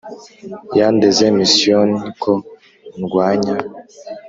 Yandeze Misiyoni ko ndwanya